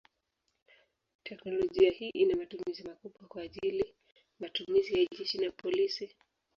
Teknolojia hii ina matumizi makubwa kwa ajili matumizi ya jeshi na polisi.